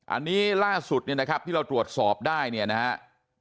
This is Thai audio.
อันนี้ล่าสุดเนี่ยนะครับที่เราตรวจสอบได้เนี่ยนะครับ